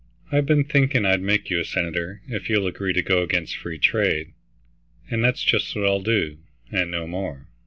I've been thinking I'd make you senator if you'll agree to go against free trade, and that's just what I'll do, and no more."